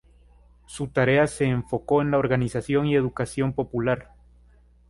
Su tarea se enfocó en la organización y educación popular.